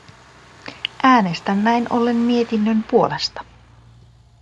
Äänestän näin ollen mietinnön puolesta.